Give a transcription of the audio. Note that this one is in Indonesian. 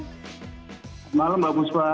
selamat malam mbak buspa